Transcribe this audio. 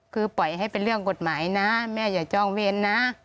คือปล่อยให้เป็นเรื่องกฎหมายนะแม่อย่าจ้องเวรนะ